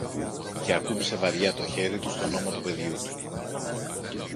και ακούμπησε βαριά το χέρι του στον ώμο του παιδιού του.